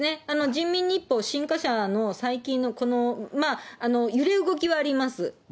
人民日報新華社の最近の揺れ動きはあります。